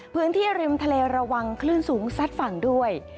พื้นที่ริมทะเลระวังคลื่นสูงซัดฝั่งด้วย